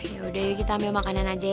yaudah yuk kita ambil makanan aja ya